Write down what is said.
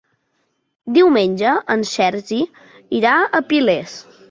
Diumenge en Sergi irà a Piles.